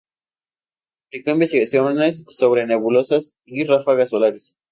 Publicó investigaciones sobre nebulosas y ráfagas solares.